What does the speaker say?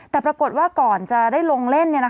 แต่ปรากฏว่าก่อนจะได้ลงเล่น